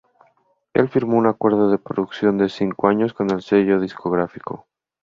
Él firmó un acuerdo de producción de cinco años con el sello discográfico.